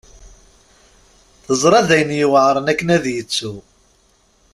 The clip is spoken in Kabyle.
Teẓra d ayen yuɛren akken ad yettu.